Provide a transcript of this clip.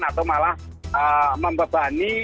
atau malah membebani